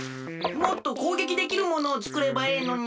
もっとこうげきできるものをつくればええのに！